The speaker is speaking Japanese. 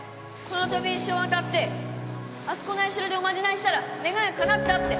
この飛び石を渡ってあそこのお社でおまじないしたら願いがかなったって。